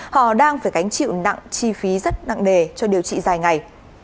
họ đang phải gánh chịu nặng chi phí rất nặng nề cho điều trị dài ngày